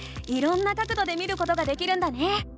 いろんな角どで見ることができるんだね！